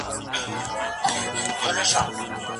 موږ د پښتو د لا بډاینې لپاره په ګډه مبارزه کوو.